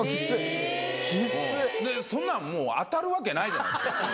でそんなんもう当たるわけないじゃないですか。